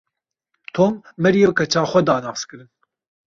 Tom, Maryê bi keça xwe da naskiririn.